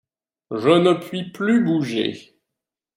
Je ne puis plus bouger.